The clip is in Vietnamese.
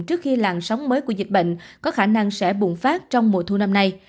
trước khi làn sóng mới của dịch bệnh có khả năng sẽ bùng phát trong mùa thu năm nay